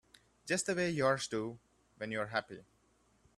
Just the way yours do when you're happy.